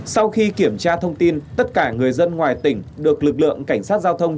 sau khi kiểm tra thông tin tất cả người dân ngoài tỉnh được lực lượng cảnh sát giao thông